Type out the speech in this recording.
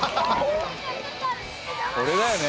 これだよね。